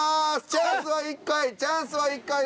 チャンスは１回チャンスは１回です。